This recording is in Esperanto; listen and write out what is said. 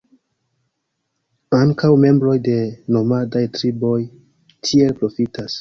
Ankaŭ membroj de nomadaj triboj tiel profitas.